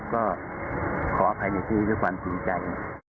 ก็ขออภัยในที่ด้วยความจริงใจ